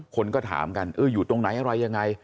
คนก็ถามกันอยู่ตรงไหนอะไรยังไง